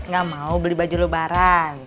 gak mau beli baju lebaran